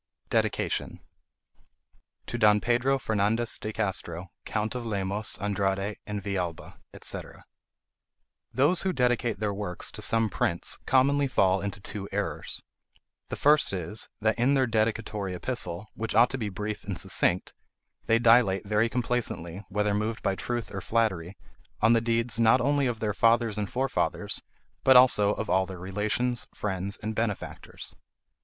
DEDICATION TO DON PEDRO FERNANDEZ DE CASTRO, COUNT OF LEMOS, ANDRADE, AND VILLALBA, &c. Those who dedicate their works to some prince commonly fall into two errors. The first is, that in their dedicatory epistle, which ought to be brief and succinct, they dilate very complacently, whether moved by truth or flattery, on the deeds not only of their fathers and forefathers, but also of all their relations, friends, and benefactors.